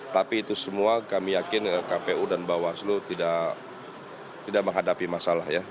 tapi itu semua kami yakin kpu dan bawaslu tidak menghadapi masalah ya